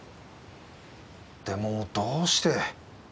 でもどうして。